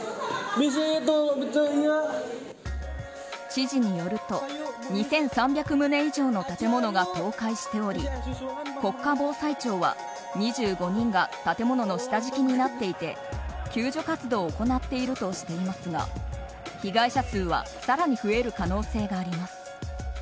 知事によると２３００棟以上の建物が倒壊しており国家防災庁は、２５人が建物の下敷きになっていて救助活動を行っているとしていますが被害者数は更に増える可能性があります。